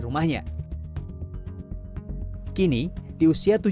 semoga hidup dengan luar biasa hatinya